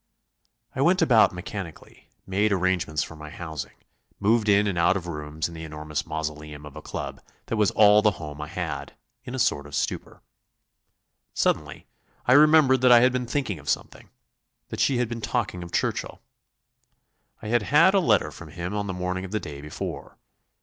I went about mechanically, made arrangements for my housing, moved in and out of rooms in the enormous mausoleum of a club that was all the home I had, in a sort of stupor. Suddenly I remembered that I had been thinking of something; that she had been talking of Churchill. I had had a letter from him on the morning of the day before.